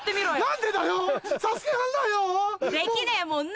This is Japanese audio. できねえもんな！